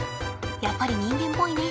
やっぱり人間ぽいね。